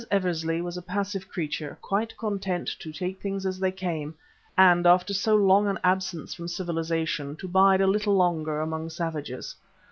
Eversley was a passive creature, quite content to take things as they came and after so long an absence from civilization, to bide a little longer among savages.